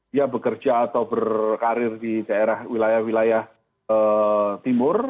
dia bekerja atau berkarir di daerah wilayah wilayah timur